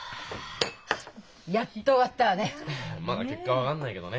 やっと終わったわね！